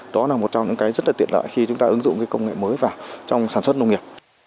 đó là một trong những cái rất là tiện lợi khi chúng ta ứng dụng cái công nghệ mới vào trong sản xuất nông nghiệp